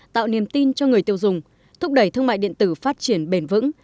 tạo niềm tin cho người tiêu dùng thúc đẩy thương mại điện tử phát triển bền vững